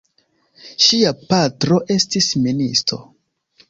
Ŝia patro estis ministo.